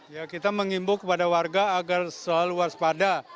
ya kita mengimbau kepada warga agar selalu waspada